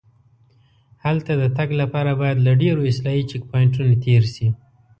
هلته د تګ لپاره باید له ډېرو اسرایلي چیک پواینټونو تېر شې.